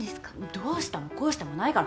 どうしたもこうしたもないから。